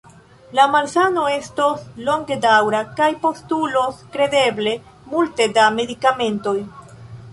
La malsano estos longedaŭra kaj postulos kredeble multe da medikamentoj.